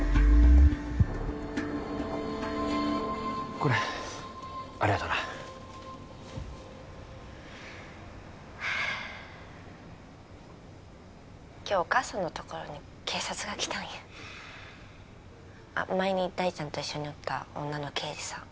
これありがとな今日お母さんのところに警察が来たんや前に大ちゃんと一緒におった女の刑事さん